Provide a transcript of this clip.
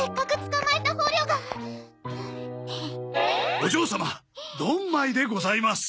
お嬢様ドンマイでございます。